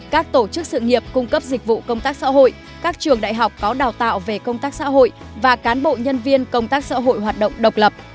các tổ chức sự nghiệp cung cấp dịch vụ công tác xã hội các trường đại học có đào tạo về công tác xã hội và cán bộ nhân viên công tác xã hội hoạt động độc lập